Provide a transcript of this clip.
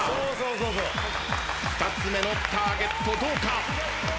２つ目のターゲットどうか？